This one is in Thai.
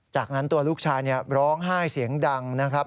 จากนั้นตัวลูกชายร้องไห้เสียงดังนะครับ